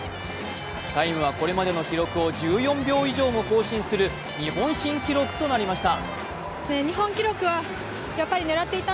タイムはこれまでの記録を１４秒以上も更新する日本新記録となりました。